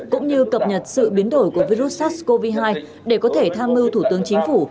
cũng như cập nhật sự biến đổi của virus sars cov hai để có thể tham mưu thủ tướng chính phủ